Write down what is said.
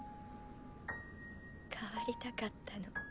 変わりたかったの。